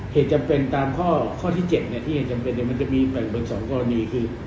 เย็นจำเป็นท่อ๗เป็นแบบ๑๒กรณี